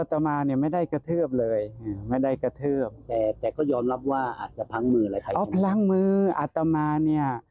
แต่ก็ยอมรับว่าอาจจะพลังมืออะไรพลังมืออัตมาเนี่ย